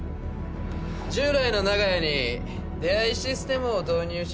従来の長屋に出会いシステムを導入します。